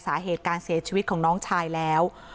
สาเหตุการเสียชีวิตของน้องชายแล้ว